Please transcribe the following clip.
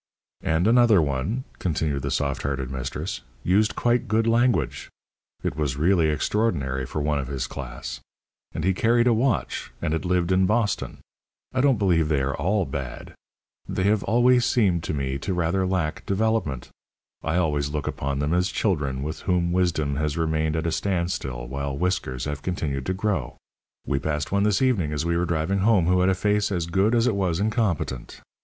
"And another one," continued the soft hearted mistress, "used quite good language. It was really extraordinary for one of his class. And he carried a watch. And had lived in Boston. I don't believe they are all bad. They have always seemed to me to rather lack development. I always look upon them as children with whom wisdom has remained at a standstill while whiskers have continued to grow. We passed one this evening as we were driving home who had a face as good as it was incompetent.